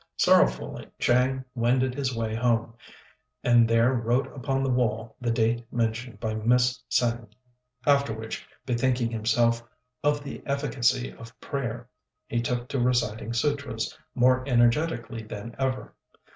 Sorrowfully Chang wended his way home, and there wrote upon the wall the date mentioned by Miss Tsêng; after which, bethinking himself of the efficacy of prayer, he took to reciting sutras more energetically than ever.